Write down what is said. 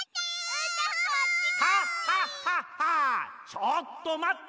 ちょっとまった！